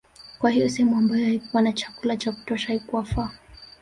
Kwa hiyo sehemu ambayo haikuwa na chakula cha kutosha haikuwafaa